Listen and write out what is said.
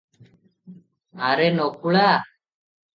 ଆରେ ନକୁଳା!